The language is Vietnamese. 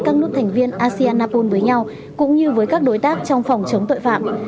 các nước thành viên asean apol với nhau cũng như với các đối tác trong phòng chống tội phạm